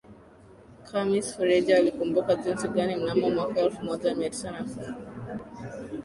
Khamis Fereji alikumbuka jinsi gani mnamo mwaka elfu moja mia tisa na kumi